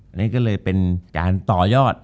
จบการโรงแรมจบการโรงแรม